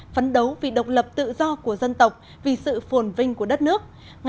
phấn đấu vì độc lập tự do của dân tộc vì sự phồn vinh của đất nước